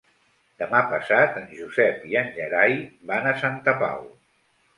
Demà passat en Josep i en Gerai van a Santa Pau.